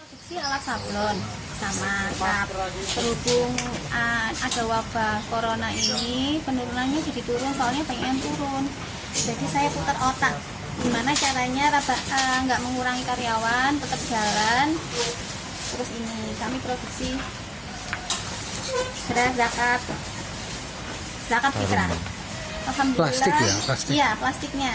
pembeli kantong zakat tersebut di jawa timur